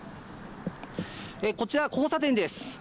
こちら交差点です。